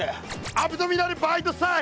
アブドミナルバイドサイ！